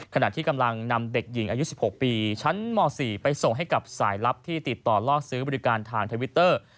ขณะที่กำลังนำเด็กหญิงอายุ๑๖ปีชั้นม๔ไปส่งให้กับสายลับที่ติดต่อล่อซื้อบริการทางทวิตเตอร์